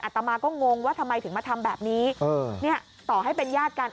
ตมาก็งงว่าทำไมถึงมาทำแบบนี้ต่อให้เป็นญาติกัน